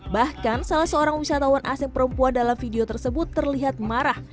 bahkan salah seorang wisatawan asing perempuan dalam video tersebut terlihat marah